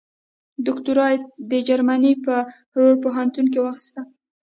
دوکتورا یې د جرمني په رور پوهنتون کې واخیسته.